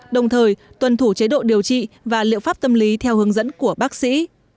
đồng thời tuân thủ chế độ điều trị và liệu pháp tâm lý theo hướng dẫn của bác sĩ